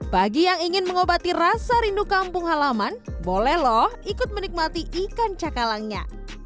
bagi yang ingin mengobati rasa rindu kampung halaman boleh loh ikut menikmati ikan cakalangnya